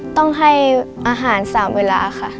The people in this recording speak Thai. ต้องให้อาหาร๓เวลาค่ะ